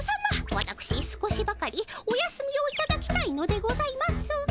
わたくし少しばかりお休みをいただきたいのでございますが。